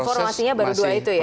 formasinya baru dua itu ya